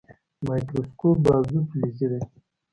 مایکروسکوپ بازو فلزي دی.